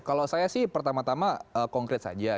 kalau saya sih pertama tama konkret saja